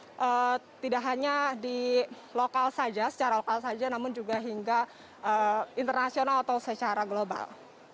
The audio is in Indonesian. ini tidak hanya di lokal saja secara lokal saja namun juga hingga internasional atau secara global